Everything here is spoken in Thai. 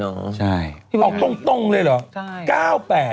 เอาตรงเลยเหรอ